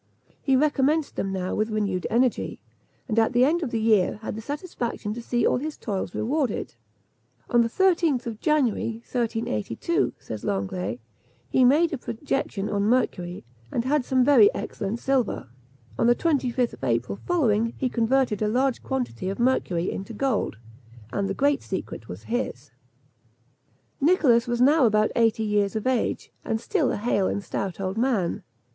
He recommenced them now with renewed energy, and at the end of the year had the satisfaction to see all his toils rewarded. On the 13th January 1382, says Lenglet, he made a projection on mercury, and had some very excellent silver. On the 25th April following, he converted a large quantity of mercury into gold, and the great secret was his. Nicholas was now about eighty years of age, and still a hale and stout old man.